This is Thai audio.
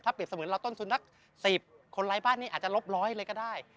ถ้าเปรียบสมมติเราต้นทุนนักสีบคนไร้บ้านอาจจะลบร้อยเลยก็ได้